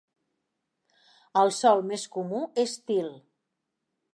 El sòl més comú és til.